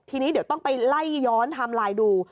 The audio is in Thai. ทีนี้เดี๋ยวต้องไปไล่ย้อนไทม์ไลน์ดู